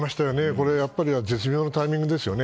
これはやっぱり絶妙なタイミングですよね。